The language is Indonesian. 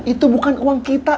itu bukan uang kita